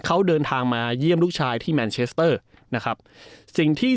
เขาเดินทางมาเยี่ยมลูกชายที่แมนเชสเตอร์นะครับสิ่งที่